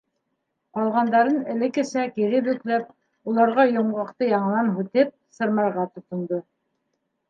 Ҡалғандарын элеккесә кире бөкләп, уларға йомғаҡты яңынан һүтеп сырмарға тотондо.